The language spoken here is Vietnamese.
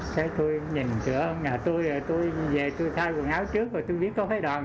thấy tôi nhìn cửa nhà tôi rồi tôi về tôi thay quần áo trước rồi tôi biết có khói đòn